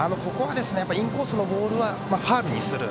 インコースのボールはファウルにする。